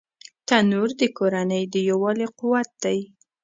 تنور د کورنۍ د یووالي قوت دی